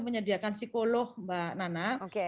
menyediakan psikolog mbak nana